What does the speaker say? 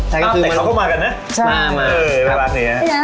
ตั้งแต่เขาก็มากันนะ